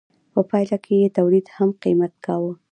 په پایله کې یې تولید هم قیمت کاوه.